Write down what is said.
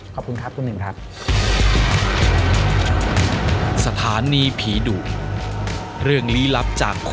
ขอบคุณครับคุณหนึ่งครับ